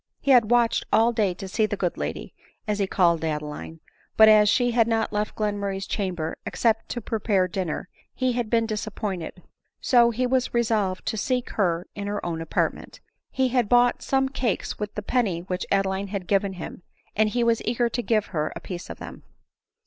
He had watched all day to see the good lady, as he called Adeline ; but as she had not left Glenmurray's chamber except to prepare dinner, he had been disappointed ; so he was resolved to seek her in her own apartment. He had bought some cakes with the penny which Adeline had given him, and he was eager to give her « piece of them.